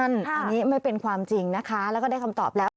อันนี้ไม่เป็นความจริงนะคะแล้วก็ได้คำตอบแล้ว